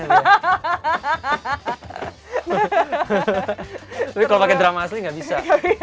tapi kalau pakai drama asli nggak bisa